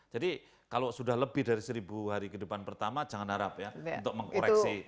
jadi kalau sudah lebih dari seribu hari kehidupan pertama jangan harap ya untuk mengkoreksi stunting